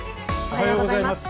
おはようございます。